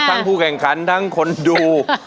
ทั้งผู้แก่งคันทั้งคนดู